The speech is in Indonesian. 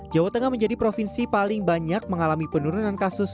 jawa tengah menjadi provinsi paling banyak mengalami penurunan kasus